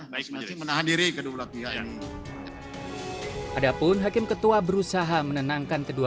baik baik menahan diri kedua belah pihak ini adapun hakim ketua berusaha menenangkan kedua